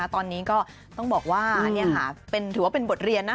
ตอนนี้ก็ต้องบอกว่าถือว่าเป็นบทเรียนนะ